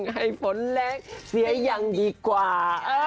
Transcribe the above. ให้ฟ้นแหลงเสียยังดีกว่า